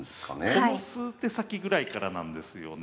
この数手先ぐらいからなんですよね。